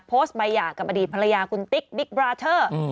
โพสต์ใบหย่ากับอดีตภรรยาคุณติ๊กบิ๊กบราเทอร์